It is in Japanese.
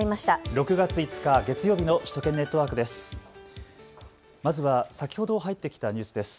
６月５日、月曜日の首都圏ネットワークです。